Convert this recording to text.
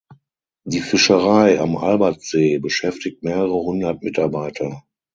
Die Fischerei am Albertsee beschäftigt mehrere hundert Mitarbeiter.